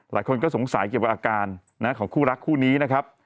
หลายคนก็สงสัยเกี่ยวกับอาการของคู่รักคู่นี้นะครับ